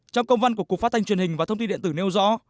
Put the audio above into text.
trong công văn của cục phát thanh truyền hình và thông tin điện tử nêu rõ